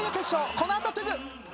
このあととぅぐ！